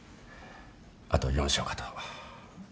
あと４床かと。